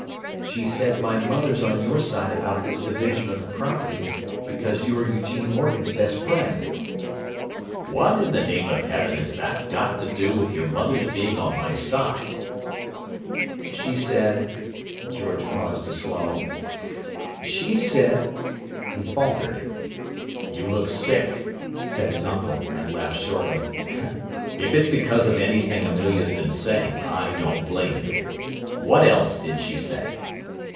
"She says my mother's on your side about this division of the property because you're Eugene Morgan's best friend." "What in the name of heaven has that got to do with your mother's being on my side?" "She said—" George paused to swallow. "She said—" He faltered. "You look sick," said his uncle; and laughed shortly. "If it's because of anything Amelia's been saying, I don't blame you! What else did she say?"